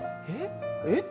えっ？